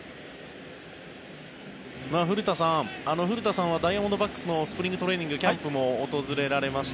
古田さんはダイヤモンドバックスのスプリングトレーニングキャンプも訪れられました。